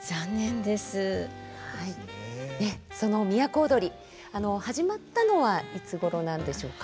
その「都をどり」始まったのはいつごろなんでしょうか？